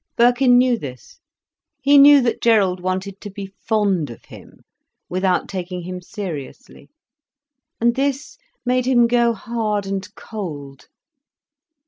Birkin knew this. He knew that Gerald wanted to be fond of him without taking him seriously. And this made him go hard and cold.